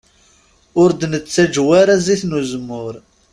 Ur d-nettaǧew ara zzit n uzemmur.